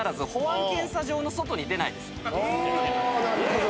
なるほど。